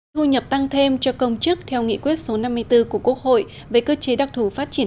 thu nhập tăng thêm cho công chức theo nghị quyết số năm mươi bốn của quốc hội về cơ chế đặc thù phát triển